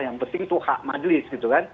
yang penting itu hak majelis gitu kan